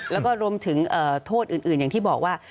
แล้วก็รวมถึงโทษอื่นอย่างที่บอกว่า